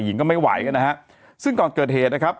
หญิงก็ไม่ไหวกันนะฮะซึ่งก่อนเกิดเหตุนะครับ